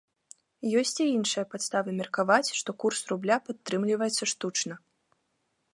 Ёсць і іншыя падставы меркаваць, што курс рубля падтрымліваецца штучна.